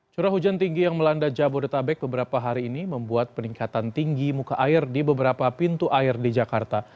curah hujan tinggi yang melanda jabodetabek beberapa hari ini membuat peningkatan tinggi muka air di beberapa pintu air di jakarta